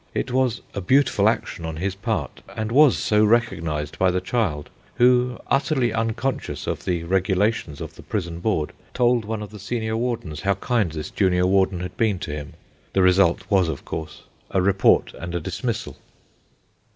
It was a beautiful action on his part, and was so recognised by the child, who, utterly unconscious of the regulations of the Prison Board, told one of the senior wardens how kind this junior warden had been to him. The result was, of course, a report and a dismissal."